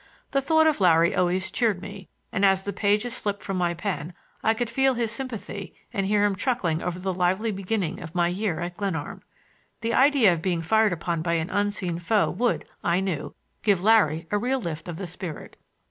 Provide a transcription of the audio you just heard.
The thought of Larry always cheered me, and as the pages slipped from my pen I could feel his sympathy and hear him chuckling over the lively beginning of my year at Glenarm. The idea of being fired upon by an unseen foe would, I knew, give Larry a real lift of the spirit.